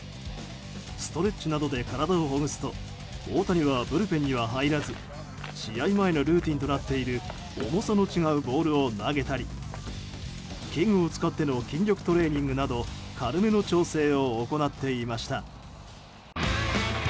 ストレッチなどで体をほぐすと大谷はブルペンには入らず試合前のルーティンとなっている重さの違うボールを投げたり器具を使っての筋力トレーニングなど軽めの調整を行っていました。